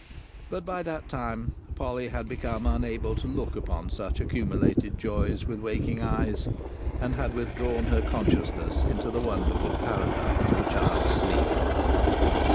But by that time Polly had become unable to look upon such accumulated joys with waking eyes, and had withdrawn her consciousness into the wonderful Paradise of a child's sleep.